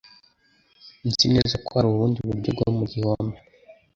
Nzi neza ko hari ubundi buryo bwo mu gihome.